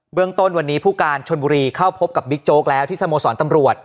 เรื่องต้นวันนี้ผู้การชนบุรีเข้าพบกับบิ๊กโจ๊กแล้วที่สโมสรตำรวจ